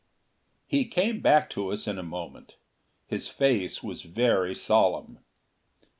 He came back to us in a moment: his face was very solemn.